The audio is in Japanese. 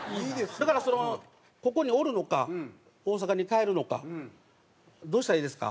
だからそのここにおるのか大阪に帰るのかどうしたらいいですか？